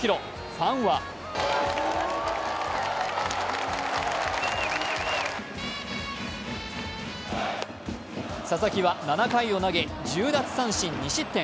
ファンは佐々木は７回を投げ１０奪三振２失点。